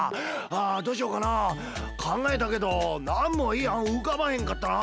あどうしようかなあ？かんがえたけどなんもいいあんうかばへんかったな。